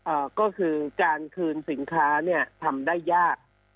เอ่อก็คือการคืนสินค้าเนี่ยทำได้ยาก